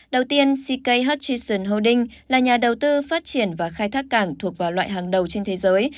đầu tiên ck huch chation holding là nhà đầu tư phát triển và khai thác cảng thuộc vào loại hàng đầu trên thế giới